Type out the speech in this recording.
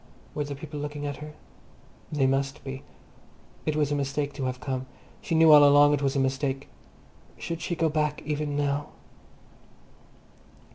Were the people looking at her? They must be. It was a mistake to have come; she knew all along it was a mistake. Should she go back even now?